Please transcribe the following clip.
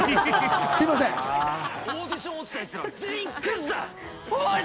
オーディション落ちた奴は全員クズだ！